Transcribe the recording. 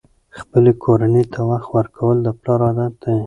خپلې کورنۍ ته وخت ورکول د پلار عادت دی.